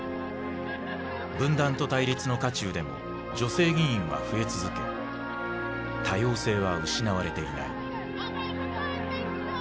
分断と対立の渦中でも女性議員は増え続け多様性は失われていない。